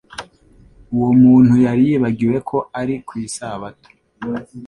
uwo muntu yari yibagiwe ko ari ku Isabato,